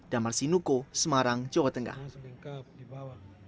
damar sinuko semarang jawa tengah